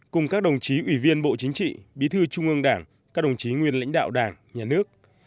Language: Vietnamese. cùng các đồng chí ủy viên bộ chính trị bí thư trung ương đảng các đồng chí nguyên lãnh đạo đảng nhà nước